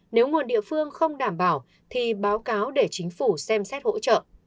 nếu nguồn địa phương không đảm bảo thì báo cáo để chính phủ xem xét hỗ trợ